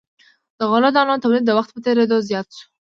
د غلو دانو تولید د وخت په تیریدو زیات شو.